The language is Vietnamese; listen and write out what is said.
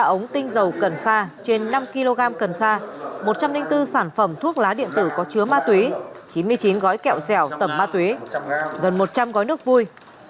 ba ống tinh dầu cần sa trên năm kg cần sa một trăm linh bốn sản phẩm thuốc lá điện tử có chứa ma túy chín mươi chín gói kẹo dẻo tẩm ma túy gần một trăm linh gói nước vui